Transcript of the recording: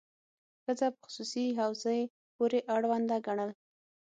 ښځه په خصوصي حوزې پورې اړونده ګڼل.